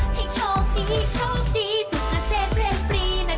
ให้โชคดีโชคดีสุดเกษตรเรียนปรีนะจ